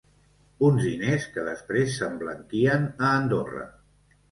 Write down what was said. Uns diners que després s’emblanquien a Andorra.